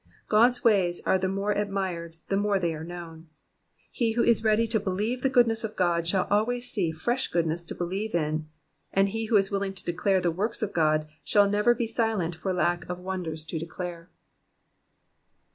God's ways are the more admired the more they are known. He who is ready to believe the good ness of God shall always see fresh goodness to believe in, and he who is willing to declare the works of God shall never be silent for lack of wonders to declare.